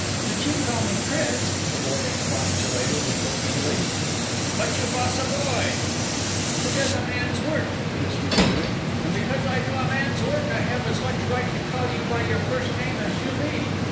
"But you call me 'Chris!'" the boy expostulated, reproachfully. "But you vas a boy." "Who does a man's work," Chris retorted. "And because I do a man's work I have as much right to call you by your first name as you me.